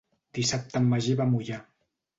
Dissabte en Magí va a Moià.